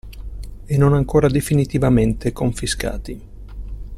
E non ancora definitivamente confiscati.